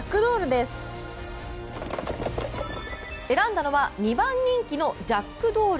選んだのは２番人気のジャックドール。